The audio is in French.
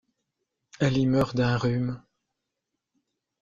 Elle y meurt d'un rhume.